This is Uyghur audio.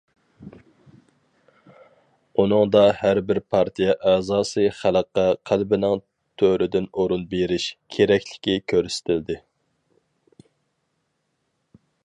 ئۇنىڭدا‹‹ ھەربىر پارتىيە ئەزاسى خەلققە قەلبىنىڭ تۆرىدىن ئورۇن بېرىش›› كېرەكلىكى كۆرسىتىلدى.